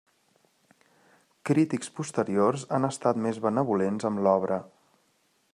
Crítics posteriors han estat més benvolents amb l'obra.